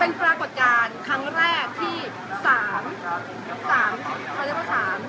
เป็นปรากฏการณ์ครั้งแรกที่สามสามเขาเรียกว่าสาม